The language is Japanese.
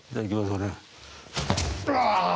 うわ。